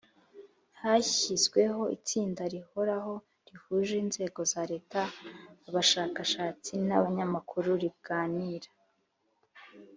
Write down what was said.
Hashyizweho itsinda rihoraho rihuje inzego za Leta abashakashatsi n abanyamakuru riganira